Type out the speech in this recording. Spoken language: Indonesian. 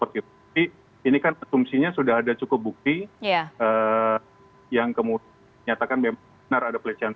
jadi ini kan asumsinya sudah ada cukup bukti yang kemudian menyatakan benar ada pelecehan